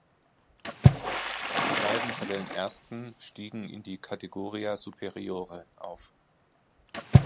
Die beiden Tabellenersten stiegen in die Kategoria Superiore auf.